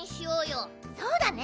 そうだね。